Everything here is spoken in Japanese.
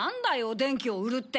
電気を売るって。